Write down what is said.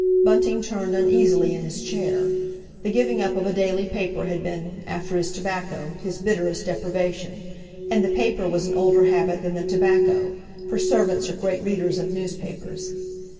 Bunting turned uneasily in his chair. The giving up of a daily paper had been, after his tobacco, his bitterest deprivation. And the paper was an older habit than the tobacco, for servants are great readers of newspapers.